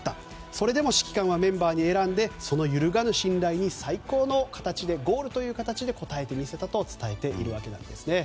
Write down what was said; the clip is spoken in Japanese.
それでも指揮官はメンバーに選んで揺るがぬ信頼に最高のゴールという形で応えてみせたと伝えています。